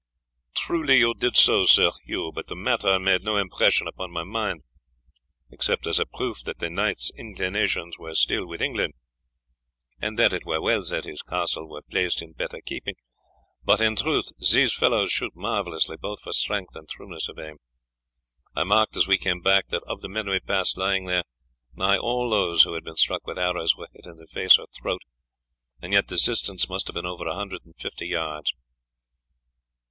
"Truly ye did so, Sir Hugh; but the matter made no impression upon my mind, except as a proof that the knight's inclinations were still with England, and that it were well that his castle were placed in better keeping; but in truth these fellows shoot marvellously, both for strength and trueness of aim. I marked as we came back that of the men we passed lying there, nigh all those who had been struck with arrows were hit in the face or throat, and yet the distance must have been over a hundred and fifty yards."